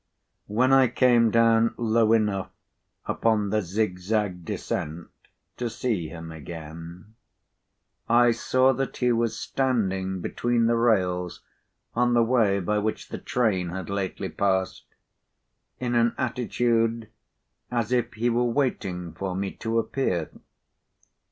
When I came down low enough upon the zig zag descent, to see him again, I saw that he was standing between the rails on the way by which the train had lately passed, in an attitude as if he were waiting for me to appear.